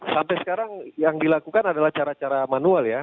sampai sekarang yang dilakukan adalah cara cara manual ya